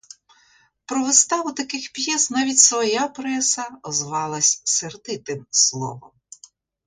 Про виставу таких п'єс навіть своя преса озвалась сердитим словом.